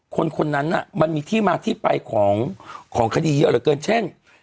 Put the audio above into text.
คนคนนั้นมันมีที่มาที่ไปของคดีเยอะเหลือเกินเช่น